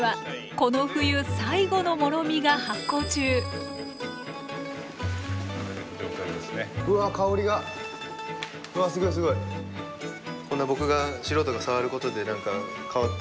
こんな僕が素人が触ることで何か変わったりしませんか？